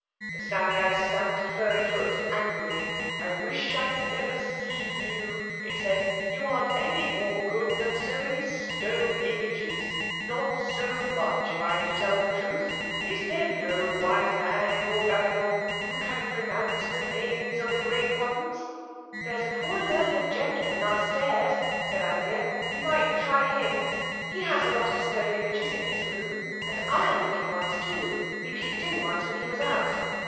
The Psammead stamped a furry foot angrily. "I wish I'd never seen you," it said; "you aren't any more good than so many stone images. Not so much, if I'm to tell the truth. Is there no wise man in your Babylon who can pronounce the names of the Great Ones?" "There's a poor learned gentleman upstairs," said Anthea, "we might try him. He has a lot of stone images in his room, and iron looking ones too—we peeped in once when he was out.